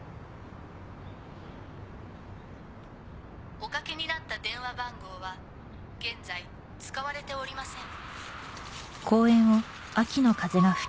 おかけになった電話番号は現在使われておりません